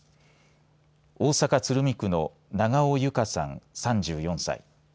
大阪・鶴見区の永尾友香さん３４歳。